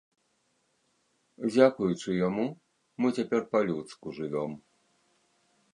Дзякуючы яму мы цяпер па-людску жывём.